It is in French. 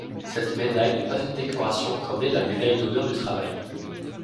Cette médaille n’est pas une décoration comme l’est la médaille d'honneur du travail.